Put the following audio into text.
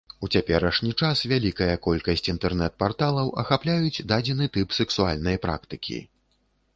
У цяперашні час вялікая колькасць інтэрнэт-парталаў ахапляюць дадзены тып сэксуальнай практыкі.